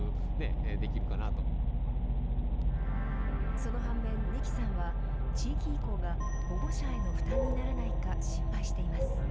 その反面、仁木さんは、地域移行が、保護者への負担にならないか心配しています。